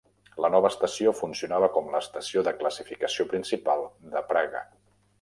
La nova estació funcionava com l'estació de classificació principal de Praga.